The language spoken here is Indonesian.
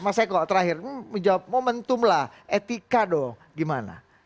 mas eko terakhir menjawab momentum lah etika dong gimana